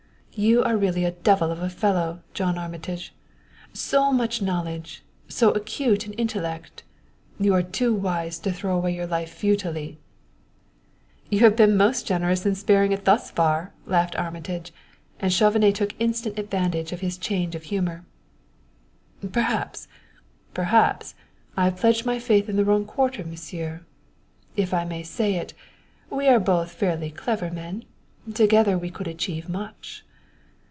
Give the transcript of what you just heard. "You are really a devil of a fellow, John Armitage! So much knowledge! So acute an intellect! You are too wise to throw away your life futilely." "You have been most generous in sparing it thus far!" laughed Armitage, and Chauvenet took instant advantage of his change of humor. "Perhaps perhaps I have pledged my faith in the wrong quarter, Monsieur. If I may say it, we are both fairly clever men; together we could achieve much!"